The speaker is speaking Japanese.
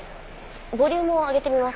ボリュームを上げてみます。